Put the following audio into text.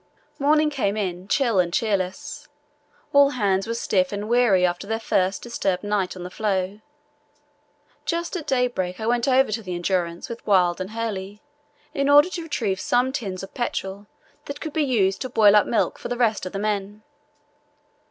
Morning came in chill and cheerless. All hands were stiff and weary after their first disturbed night on the floe. Just at daybreak I went over to the Endurance with Wild and Hurley, in order to retrieve some tins of petrol that could be used to boil up milk for the rest of the men.